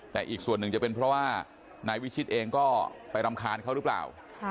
แต่อีกส่วนหนึ่งจะเป็นเพราะว่านายวิชิตเองก็ไปรำคาญเขาหรือเปล่า